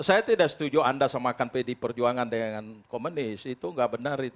itu saya tidak setuju anda semakan pdip perjuangan dengan komunis itu tidak benar itu